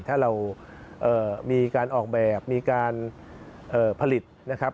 ถ้าเรามีการออกแบบมีการผลิตนะครับ